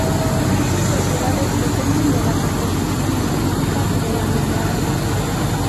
Dichas propiedades dependen de la composición lipídica de la membrana.